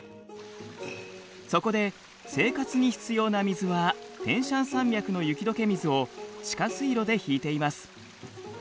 そこで生活に必要な水はテンシャン山脈の雪どけ水を地下水路で引いています。